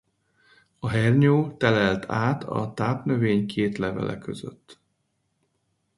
A hernyó telel át a tápnövény két levele között.